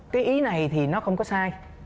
cái ý này thì nó không có sai